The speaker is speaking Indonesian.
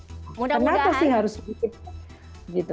kenapa sih harus begitu